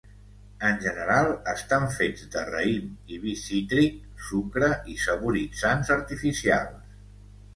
En general, estan fets de raïm i vi cítric, sucre i saboritzants artificials.